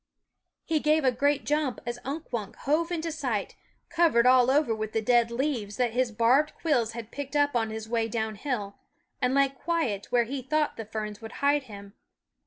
He gave a great jump as Unk Wunk hove into sight, covered all over with the dead leaves that his barbed quills had picked up on his way downhill, and lay quiet where he thought the ferns would hide him.